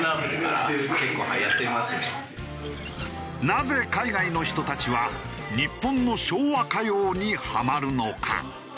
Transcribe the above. なぜ海外の人たちは日本の昭和歌謡にハマるのか。